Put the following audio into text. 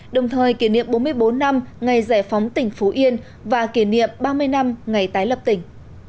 đồng thời kỷ niệm bốn mươi bốn năm ngày giải phóng tỉnh phú yên và kỷ niệm ba mươi năm ngày tái lập tỉnh